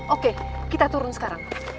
oke kita turun sekarang